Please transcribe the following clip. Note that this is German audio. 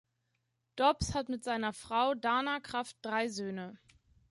Dobbs hat mit seiner Frau Dana Kraft drei Söhne.